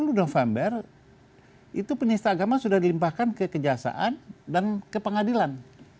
karena tiga puluh november itu penyihir agama sudah dilimpahkan kekejahasaan dan ke pengadilan